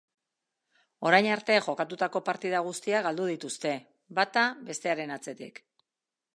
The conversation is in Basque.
Orain arte jokatutako partida guztiak galdu dituzte, bata bestearen atzetik.